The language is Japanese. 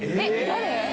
誰？